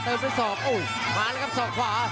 เติมด้วยสองโอ้วมาแล้วครับสองขวา